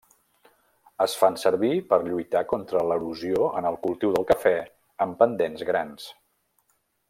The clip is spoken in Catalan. Es fan servir per lluitar contra l'erosió en el cultiu del cafè en pendents grans.